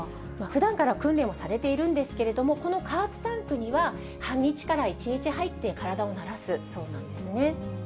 ふだんから訓練をされているんですけれども、この加圧タンクには半日から１日入って、体を慣らすそうなんですね。